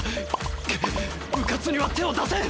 クッうかつには手を出せん！